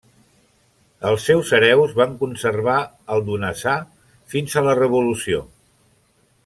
Els seus hereus van conservar el Donasà fins a la revolució.